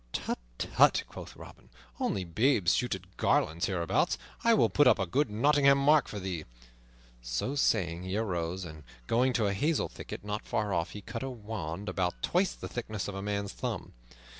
"Tut, tut," quoth Robin, "only babes shoot at garlands hereabouts. I will put up a good Nottingham mark for thee." So saying, he arose, and going to a hazel thicket not far off, he cut a wand about twice the thickness of a man's thumb.